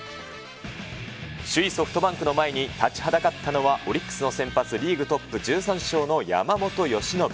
首位ソフトバンクの前に立ちはだかったのは、オリックスの先発、リーグトップ１３勝の山本由伸。